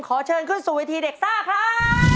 ขอเชิญขึ้นสู่เวทีเด็กซ่าครับ